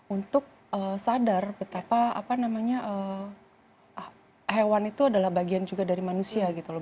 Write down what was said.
untuk sadar betapa hewan itu adalah bagian juga dari manusia gitu loh